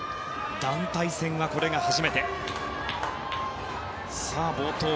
団体戦はこれが初めて。